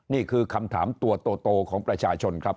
นี่คือคำถามตัวโตของประชาชนครับ